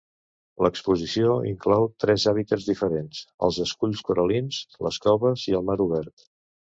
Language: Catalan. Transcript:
L'exposició inclou tres hàbitats diferents: els esculls coral·lins, les coves i el mar obert.